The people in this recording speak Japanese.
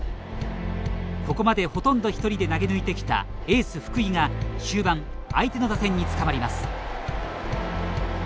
ここまで、ほとんど１人で投げ抜いてきたエース福井が終盤、相手の打線に捕まります。